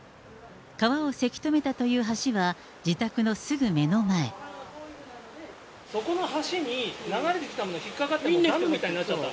川をせき止めたという橋は、自宅そこの橋に流れてきたものが、引っ掛かってもうダムみたいになっちゃった？